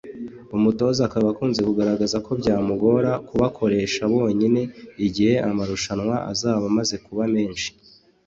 umutoza akaba akunze kugaragaza ko byamugora kubakoresha bonyine igihe amarushanwa azaba amaze kuba menshi